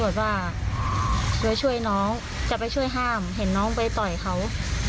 จะไปช่วยห้ามเห็นน้องไปต่อยเขา